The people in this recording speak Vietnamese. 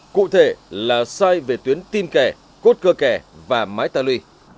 cụ thể là sai về tuyến tim kè cốt cưa kè và máy ta lùi